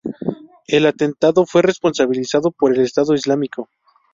El atentado fue responsabilizado por el Estado Islámico.